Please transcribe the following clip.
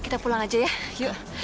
kita pulang aja ya yuk